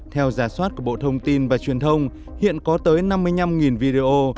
theo giá soát của bộ thông tin và truyền thông hiện có tới năm mươi năm video